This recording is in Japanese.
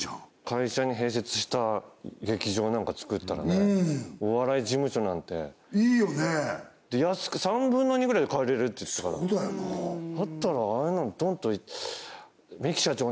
会社に併設した劇場なんかつくったらねお笑い事務所なんていいよね安く３分の２ぐらいで借りれるって言ってたからそうだよなだったらああいうのドンとミキ社長